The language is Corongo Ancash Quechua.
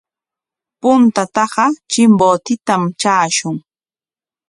Puntata Chimbotetam traashun.